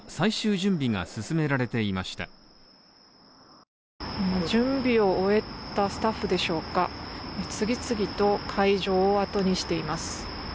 準備を終えたスタッフでしょうか、次々と会場を後にしています。